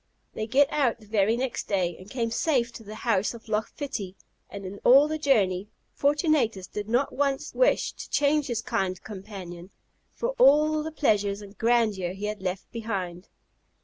They get out the very next day, and came safe to the house of Loch Fitty; and in all the journey, Fortunatus did not once wish to change his kind companion for all the pleasures and grandeur he had left behind.